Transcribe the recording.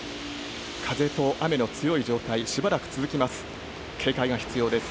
風と雨の強い状態、しばらく続きます。